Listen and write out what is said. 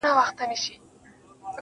درد چي سړی سو له پرهار سره خبرې کوي.